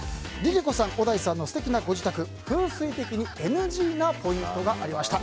ＬｉＬｉＣｏさん、小田井さんの素敵なご自宅、風水的にＮＧなポイントがありました。